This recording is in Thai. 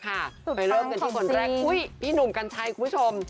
การบุกร้องคลื่นที่คนแรกอุ๊ยพี่หนุ่มกัณฑ์ชัยคุณผู้ชม